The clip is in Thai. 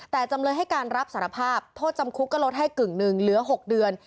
แต่จำเลยให้การรับสารภาพโทษจำคุกก็ลดให้กึ่งหนึ่งเหลือ๖เดือน